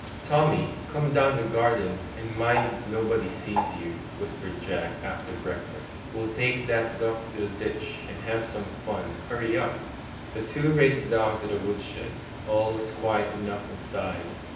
'Tommy, come down the garden, and mind nobody sees you,' whispered Jack, after breakfast. 'We'll take that duck to the ditch, and have some fun. Hurry up!' The two raced down to the wood shed; all was quiet enough inside.